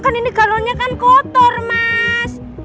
kan ini kalonya kan kotor mas